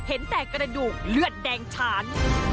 เห็นแต่กระดูกเลือดแดงฉาน